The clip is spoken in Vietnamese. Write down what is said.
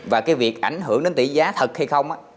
và cái việc ảnh hưởng đến tỷ giá thật hay không á